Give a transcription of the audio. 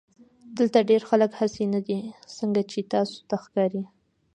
دلته ډېر خلک هغسې نۀ دي څنګه چې تاسو ته ښکاري